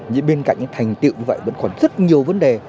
nhưng bên cạnh những thành tiệu như vậy vẫn còn rất nhiều vấn đề